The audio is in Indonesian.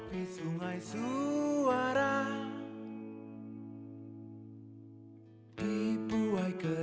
permis barang pinjah